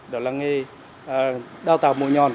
đó là nghề đào tạo